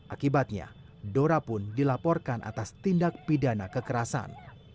akibatnya dora pun dilaporkan atas tindak pidana kekerasan